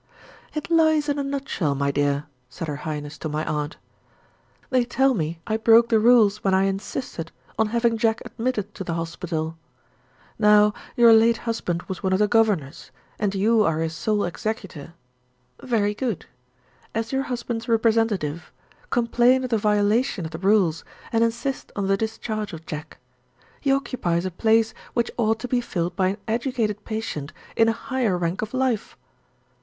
"It lies in a nutshell, my dear," said her Highness to my aunt. "They tell me I broke the rules when I insisted on having Jack admitted to the Hospital. Now, your late husband was one of the governors; and you are his sole executor. Very good. As your husband's representative, complain of the violation of the rules, and insist on the discharge of Jack. He occupies a place which ought to be filled by an educated patient in a higher rank of life.